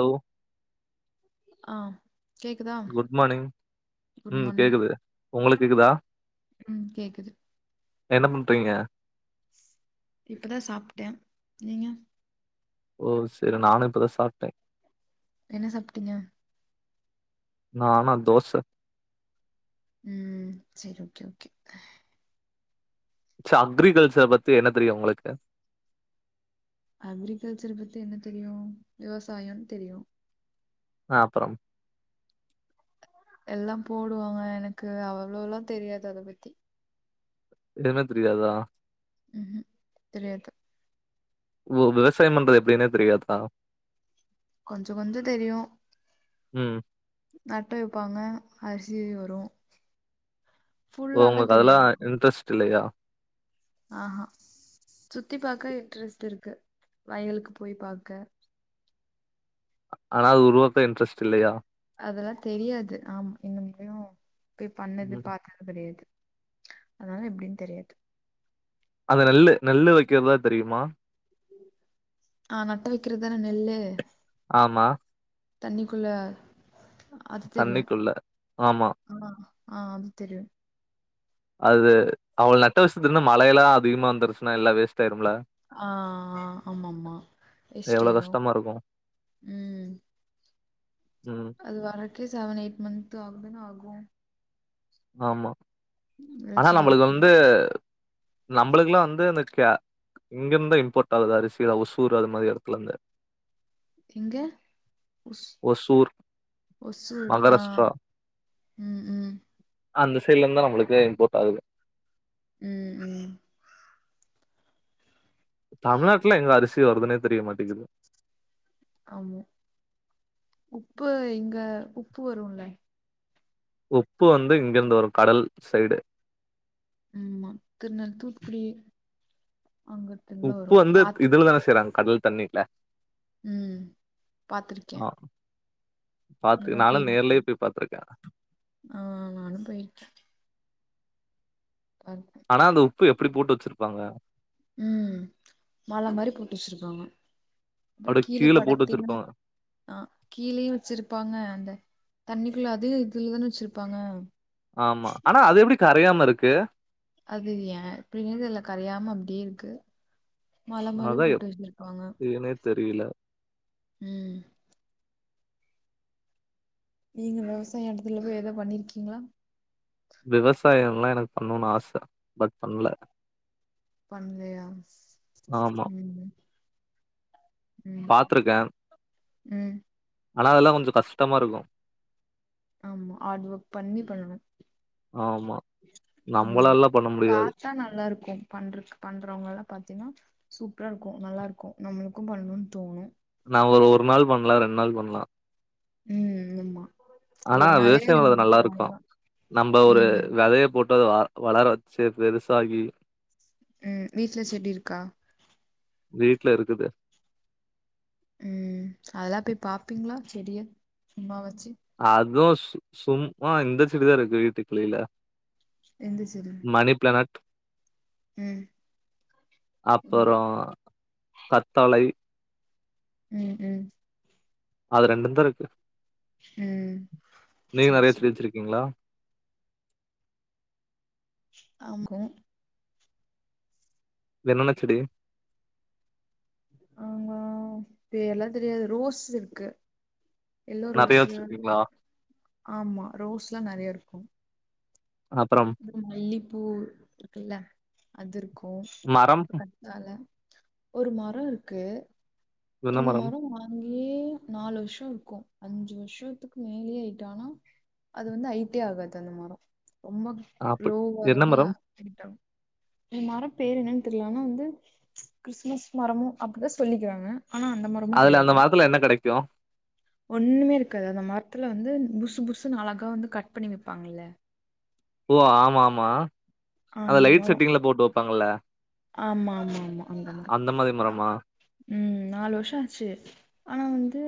Hello ஆ கேக்குதா good morning good ம் மார்னிங் கேக்குது உங்களுக்கு கேக்குதா ம் கேக்குது என்ன பண்றீங்க இப்பதா சாப்ட்டே நீங்க ஓ சேரி நானு இப்பதா சாப்ட்டே என்ன சாப்ட்டிங்க நானா தோச ம் செரி ஓகே ஓகே ச அக்ரிகல்ச்சர் பத்தி என்ன தெரியு உங்களுக்கு அக்ரிகல்ச்சர் பத்தி என்ன தெரியு விவசாயோன் தெரியு ஆ அப்பறம் எல்லாம் போடுவாங்க எனக்கு அவ்ளோலா தெரியாது அத பத்தி எதுமே தெரியாதா ம் ஹூம் தெரியாது ஓ விவசாயம் பண்றது எப்டின்னே தெரியாதா கொஞ்ச கொஞ்சோ தெரியு ம் நட்டு வைப்பாங்க அரிசி வரு ஓ ஃபுல்லாலா உங்குளுக்கு அதெல்லா தெரியாது இன்ட்ரெஸ்ட் இல்லையா ஆ ஹா சுத்தி பாக்க இன்ட்ரெஸ்ட் இருக்கு வயலுக்கு போய் பாக்க ஆனா அது உருவாக்க இன்ட்ரஸ்ட் இல்லையா அதெல்லா தெரியாது ஆமா இன்ன [inaudible] போய் பண்ணது ம் பாக் கெடையாது அதனால எப்டின் தெரியாது அந்த நெல்லு நெல்லு வைக்கிறதாது தெரியுமா ஆ நட்டு வைக்கறதுதான நெல்லு ஆமா தண்ணிக்குள்ள அது தெரியு தண்ணிக்குள்ள ஆமா ஆ ஆ அது தெரியு அது அவ்ள நட்டு வச்சது இருந்து மழையெல்லா அதிகமா வந்துருச்சுன்னா எல்லா வேஸ்ட் ஆயிரும்ல ஆ ஆமா ஆமா எவ்வளவு வேஸ்டாயிடு ம் உம் அது வர்றதுக்கே செவன் எயிட் மந்த் ஆகுதானே ஆகு ஆமா ஆனா வெளச்சி நம்மளுக்கு வரக்கு வந்து நம்மளுக்கெல்லா வந்து இந்த கா இங்கிருந்து இம்போர்ட் ஆகுது அரிசியலா ஓசூர் அது மாரி எடத்துலருந்து எங்க ஒசு ஒசூர் ஒசூர் மகாராஷ்டிரா ஆஹ் ம் ம் அந்த சைடுலருந்துதா நம்மளுக்கே இம்போர்ட் ஆகுது ம் ம் தமிழ்நாட்டுல எங்க அரிசி வருதுனே தெரிய மாட்டேங்கிது ஆமா உப்பு இங்க உப்பு வருல்ல உப்பு வந்து இங்கிருந்து வரு கடல் சைடு ஆமா திருநெல் தூத்துக்குடி அங்கட் உப்பு வந்து இதுல தானே செய்றாங்க கடல் தண்ணில ம் பாத்துருக்கே ஆ பாத்து நானு நேர்லயே போயிருக்கேன் போய் பாத்திருக்கே ஆ நானு போயிருக்கே கரெட்டு ஆனா அந்த உப்பு எப்டி போட்டு வச்சிருப்பாங்க ம் மல மாரி போட்டு வச்சிருப்பாங்க அப்டியே கீழே கீழ போட்டு படுத்தீங்ன்னா வச்சிருப்பாங்க ஆ கீழயு வச்சிருப்பாங்க அந்த தண்ணிக்குள்ள அதையு இதுலதானே வச்சிருப்பாங்க ஆமா ஆனா அது எப்டி கரையாம இருக்கு அது ஏ எப்படின்னே தெர்ல கரையாம அப்டியேருக்கு மல மாரியு போட்டு வச்சிருப்பாங்க என்னன்னே தெரியல உம் நீங்க விவசாய இடத்துல போய் எது பண்ணிருக்கீங்ளா விவசாயோல்லா எனக்கு பண்ணுன்னு ஆச பட் பண்ல பண்லயா ஆமா ம் ம் பாத்துருக்கே ம் ஆனா அதெல்லா கொஞ்சோ கஷ்டமா இருக்கு ஆமா ஹாட் ஒர்க் பண்ணி பண்ணனு ஆமா ம் நம்மளாலலா பண்ண முடியாது. பார் த்தா நல்லாருக்கு பண்றக்கு பண்றவங்கல்லா பாத்தீன்னா சூப்பரா இருக்கு நல்லா இருக்கு நம்மளுக்கு பண்ணுனு தோனு நா ஒரு ஒரு நாள் பண்லா ரெண் நாள் பண்லா ம் ஆமா ஆனா ஒரு நாளே விவசாயிங்களுக்கு நம்மளுக்கு நல்லா இருக்கு அவ்ளோதா நம்ம ஒரு ம் விதைய போட்டு அத வளர வச்சு பெருசாகி ம் வீட்ல செடி இருக்கா வீட்ல இருக்குது ம் அதெல்லா போய் பாப்பீங்ளா செடியா சும்மா வாச்சு அதுவு சும்மா இந்த செடிதா இருக்கு வீட்டுக்குள்ளையில எந்த செடி மணி பிளானட் ம் ம் அப்பறோ கத்தாளை ம் ம் அது ரெண்டும் தா இருக்கு ம் நீங்க சேரி நெறைய சேரி செடி வெச்சிருக்கீங்ளா ஆம்கோ என்னென்ன செடி ஆங்கோ பேர்ல்லா தெரியாது ரோஸ் இருக்கு எல்லோ நெறைய ரோஸ்சு வச்சிருக்கீங்களா? ஆமா ரோஸ்ல்லா நெறைய இருக்கு அப்பறம் ம் மல்லிப்பூ இருக்குல அது இருக்கு மரம் கல ஒரு மரம் இருக்கு என்ன இந்த மரம்? மரமா அங்யே நாலு வருஷோ இருக்கு அஞ்சு வருஷத்துக்கு மேலேயே ஆயிட்டு ஆனா அது வந்து ஐடே ஆகாது அந்த மரம் ரொம்ப ஆப்பிள் என்ன லோவாளதா மரம்? ஹைட் ஆகு இந் மரப் பேர் என்னன் தெரியல ஆனா வந்து கிறிஸ்மஸ் மரமோ அப்டிதா சொல்லிக்கிறாங்க ஆன அந்த மார் அதுல அந்த மரத்துல என்ன கெடைக்கு ஒண்ணுமே இருக்காது அந்த மரத்துல வந்து புசு புசுனு அழகா வந்து கட் பண்ணி வெப்பாங்கல்ல ஓ ஆமா ஆமா அந்த லைட் செட்டிங்ல போட்டு வெப்பாங்கல்ல ஆமா ஆமா ஆமா அங்கதா மாரி மரமா? ம் நாலு வருஷோ ஆச்சு ஆனா வந்து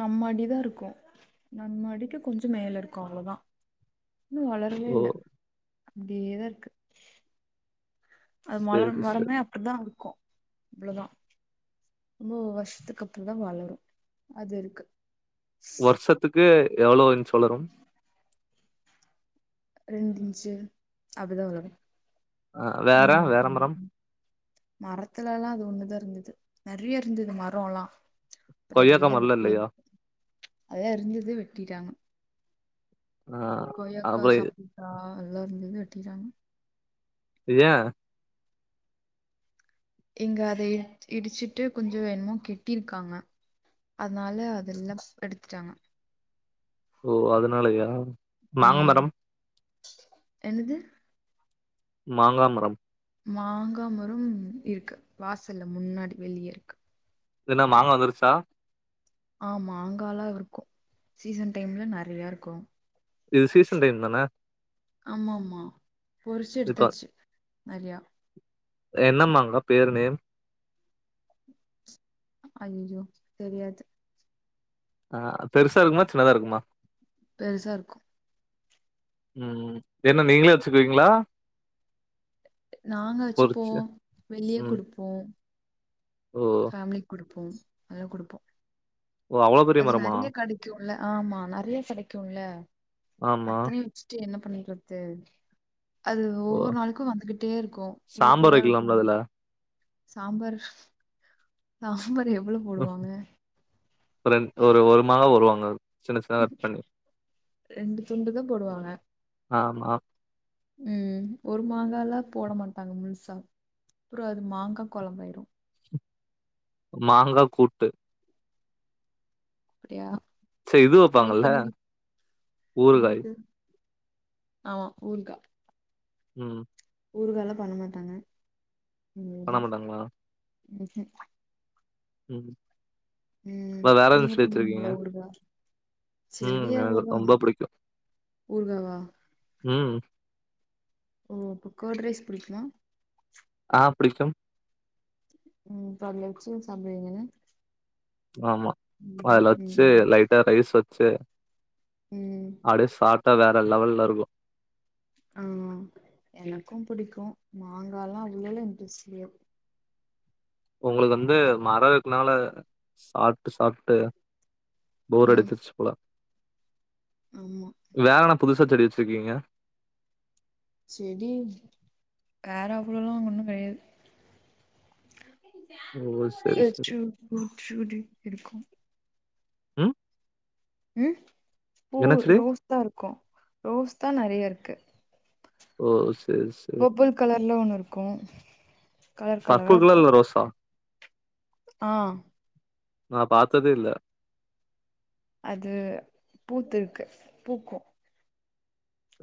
நம்மடி தா இருக்கு நம்மடிக்கு கொஞ்சோ மேல இருக்கு அவ்ளோதா இன்னு வளரவே ஓ இல்ல அப்டியேதா இருக்கு அது சரி மொலன் சரி மரமே அப்டிதா இருக்கு இவ்ளோதா ரொம்போ வருஷத்துக்கு அப்பறோதா வளரு அது இருக்கு ஷத்துக்கு எவ்ளோ இன்ச்சு வளரு ரெண்டு இன்ச்சு அப்டிதா வளரு ஆ வேற மூணு இன் வேற மூ மரம் மரத்துலல்லா அது ஒண்ணுதா இருந்தது நெறைய இருந்தது மரம்ல்லா அப்பறம் கொய்யாக்கா இதெல்லா மரம்லா வெட்டி இல்லையா அதுலா இருந்தது வெட்டிட்டாங்க ஆ கொய்யாக்கா அப்ப சப்போட்டா எல்லா இருந்தது வெட்டிடாங்க ஏ இங்க அத இ இடிச்சிட்டு கொஞ்சோ வேன்மோ கெட்டிருக்காங்க அதனால அதெல்லாம் எடுத்துட்டாங்க ஓ அதனாலயா மாங்க ம் மரம் என்னது மாங்க மரம் மாங்காமரம் இருக்கு வாசல்ல முன்னாடி வெளியே இருக்கு இது என்ன மாங்கா வந்துருச்சா ஆ மாங்காளா இருக்கு சீசன் டைம்ல நெறைய இருக்கு இது சீசன் டைம் தான ஆமா ஆமா பொறிச்சு இப்ப எடுத்தாச்சு நெறையா என்ன மாங்கா பேரு நேம் அய்யய்யோ தெரியாது ஆ பெருசா இருக்குமா சின்னதா இருக்குமா பெருசா இருக்கு உம் என்ன நீங்களே வெச்சுகுவீங்ளா நாங்க வெச்சு போ பொறிச்சு வெளியே ம் குடுப்போ ஓ தம்லிக் குடுப்போ எல்லா குடுப்போ ஓ அவ்வளோ பெரிய அது மரமா நெறைய கெடைக்குல்ல ஆமா நெறைய கெடைக்குல்ல ஆமா அத்தனையு ஃபஸ்ட்டு என்ன பண்ணியிறத்து அது ஓ ஒவ்வொரு நாளுக்கு வந்துகிட்டே இருக்கு உள்ளுக்குள்ள சாம்பார் வைக்கலாம்ல இருக்குங்க அதுல சாம்பாரு சாம்பார் எவ்ளோ போடுவாங்க ஒரு ரெண் ஒரு ஒரு மாங்கா ஒருவாங்க சின்ன சின்ன கட் பண்ணி ரெண்டு துண்டு தா போடுவாங்க ஆமா அ ம் ஒரு மாங்கால போட மாட்டாங்க முழுசா அப்றோ அது மாங்கா கொழம்பாயிரு மாங்கா கூட்டு அப்டியா சேர் இது ட்ரை வெப்பாங்கல்ல பண்ணி ஊறுகாய் என்னது ஆமா ஊறுகா ம் ஊறுகாலா பண்ண மாட்டாங்க ம் பண்ண ம் மாட்டாங்களா ம் ம் ம் ம் அப்புறம் வேற என்ன நீங்க டிஷ் பண்ணுவீங்ளா வச்சிருக்கீங்க ஊறுகா ம் செடி எனக்கு அவ்ளோதா ரொம்ப புடிக்கும் ஊற்காவா ம் ஓ அப்போ கேட் ரைஸ் புடிக்குமா ஆ புடிக்கும் ம் அப்ப அதுல வெச்சு சாப்டிவீங்க ஆமா அதுல வெச்சு ம் லைட்டா ரைஸ் வெச்சு ம் அப்டியே சாப் ட்டா வேற லெவல்ல இருக்கு ஆ எனக்கு புடிக்கு மாங்காலா அவ்ளோ இன்ட்ரெஸ்ட் கெடயாத் உங்களுக்கு வந்து மரோ இருக்குனால சாப்ட்டு சாப்ட்டு போர் ம் அடிச்சிர்ச்சு போல ஆமா வேற என்ன புதுசா செடி வெச்சிருக்கீங்க செடி வேற அவ்ளலா ஒன்னு கெடையாது ஓ சரி சரி [unintelligible] இருக்கு ம் ம் பூ என்ன செடி ரோஸ் தா இருக்கு ரோஸ் தா நெறைய இருக்கு ஓ சேர் சேர் பர்பிள் கலர்ல ஒன்னு இருக்கு கலர் கலரா பர்பிள் இருக்கு கலர்ல ரோசா ஆ நா பாத்ததே இல்ல அது பூத்துருக்கு பூக்கு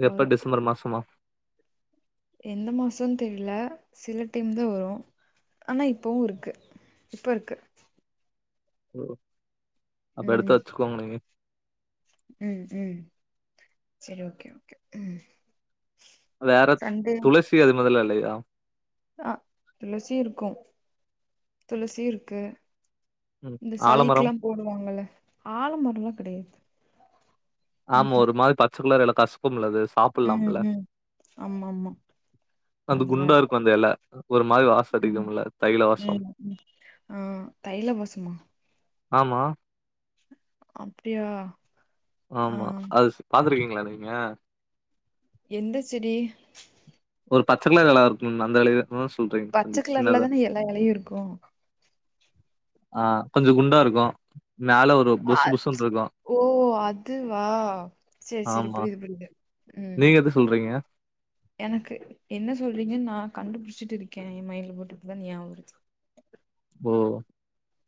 எப்ப வரு டிசம்பர் மாசமா எந்த மாசன் தெரில சில டைம் தா வரு ஆனா இப்பவு இருக்கு இப்ப இருக்கு ஓ அப்ப எடுத்து ம் வெச்சுக்கோங்க நீங்க ம் ம் செரி ஓகே ஓகே ம் வேற சண்டே துளசி அது மாத்ரில இல்லையா ஆ துளசி இருக்கு துளசி இருக்கு ம் இந்த ஆலமரம் சளிக்லா போடுவாங்கல்ல ஆழமரோலா கெடையாது ஆமா ம்ஹும் ஒரு மாரி பச்ச கலர் எல கசுக்கும் இல்ல அது ம் சாப்புட்லாம்ல ம் ஆமா ஆமா அந்த அதெல்லா குண்டா இருக்கு இருக்கும் அந்த எல ஒரு மாரி வாசம் ம் அடிக்கும்ல தைல வாசம் ம் ம் ஆ தைல வாசமா ஆமா அப்டியா ஆமா ஆ அது பாத்துருக்கீங்களா நீங்க எந்த செடி ஒரு பச்ச கலர்ல எல இருக்கும்ல அந்த எலைய தான சொல்றீங்க பச்ச கொஞ்சம் கலர்ல சின்னதா தானே எல்லா எலையும் இருக்கும் ஆ கொஞ்சம் குண்டா இருக்கும் மேல ஒரு பொசு பொசுன்னு இருக்கும். ஓ அதுவா செரி செரி ஆமா. புரியுது புரியுது ம் நீங்க எத சொல்றீங்க எனக்கு என்ன சொல்றீங்கன்னு நா கண்டுபிடிச்சிட்டு இருக்கே என் மைன்ட்ல போட்டுட்டு தான் ஞாபகம் வருது ஓ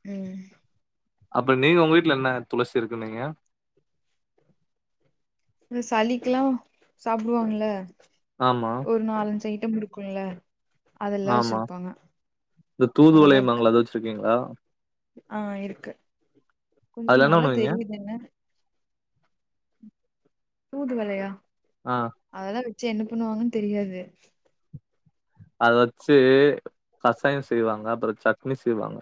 ம் அப்ப நீங்க உங்க வீட்ல என்ன துளசி இருக்குனீங்க இந்த சளிக்கெல்லாம் சாப்புடுவாங்கல்ல ஆமா ஒரு நாலஞ்சு ஐட்டம் குடுக்குல்ல ஆமா இந்த தூதுவளை அதெல்லா இருக்கு இம்பாங்களே அத வச்சிருக்கீங்களா ஆ இருக்கு கொஞ்சம் அதுல என்ன நல்லா பண்ணுவீங்க? தெரியுது என்ன தூதுவளையா ஆ அதெல்லாம் வச்சு என்ன பண்ணுவாங்கன்னு தெரியாது அத வச்சு கசாயம் செய்வாங்க அப்புறம் சட்னி செய்வாங்க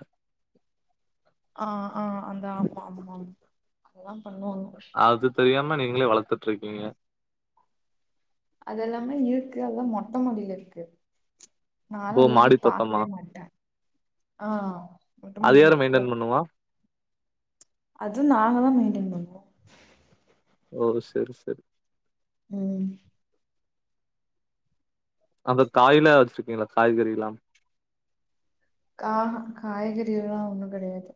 ஆ ஆ அந்த ஆமா ஆமா ஆம் அதெல்லாம் பண்ணுவாங்க அது தெரியாம நீங்களே வளத்துட்டு இருக்கீங்க அதெல்லாமே இருக்கு அதெல்லாம் மொட்ட மாடியில இருக்கு நான்லா ஓ அதெல்லாம் மாடி போய் தோட்டமா பாக்கவே மாட்ட ஆ மொட்ட‌ அது மாடியில யாரு மெயின்டென் இருக்கும் பண்ணுவா அதும் நாங்க தான் மெயின்டென் பண்றோம் ஓ செரி செரி உம் அந்த காய்ல வச்சிருக்கீங்களா காய்கறில்லாம் கா காய்கறியெல்லாம் ஒண்ணும் கெடையாது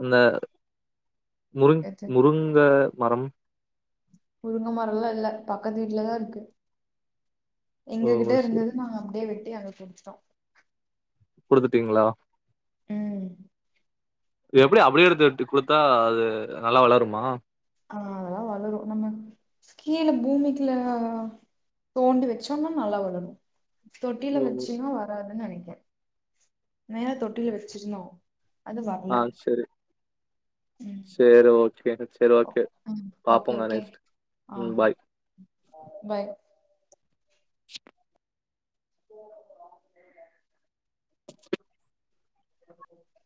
அந்த முருங் எது முருங்க மரம் முருங்க மரம்ல்லா இல்ல பக்கத்து வீட்டுலதான் இருக்கு ஓ எங்ககிட்ட செரி இருந்தது நாங்க அப்டியே வெட்டி அங்க குடுத்து குடுத்துட்டீங்களா ம் எப்டி அப்டியே எடுத்து வெட்டி குடுத்தா அது நல்லா வளருமா ஆ அதெல்லாம் வளரும் நம்ம கீழ பூமிக் குள்ள தோண்டி வச்சோம்னா நல்லா வளரும் தொட்டியில ஓ வச்சுன்னா வராதுன் நெனைக்க மேல தொடிடியில வச்சிருந்தோ அது வரல ஆ செரி ம் சேரி ஓகே சேரி ஓகே ம் பாப்போங்க நெக்ஸ்ட் ம் பாய் பய் என்ன பண்றீங்க